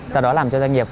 sau đó làm cho doanh nghiệp